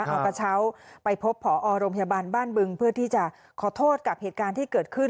เอากระเช้าไปพบผอโรงพยาบาลบ้านบึงเพื่อที่จะขอโทษกับเหตุการณ์ที่เกิดขึ้น